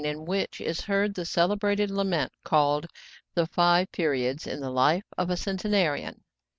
IN WHICH IS HEARD THE CELEBRATED LAMENT CALLED "THE FIVE PERIODS IN THE LIFE OF A CENTENARIAN.'